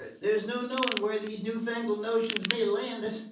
"There's no knowing where these new fangled notions may land us.